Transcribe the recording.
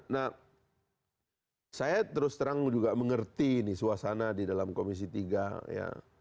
nah saya terus terang juga mengerti ini suasana di dalam komisi tiga ya